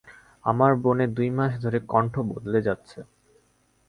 আমার বোনের দুই মাস ধরে কণ্ঠ বদলে যাচ্ছে।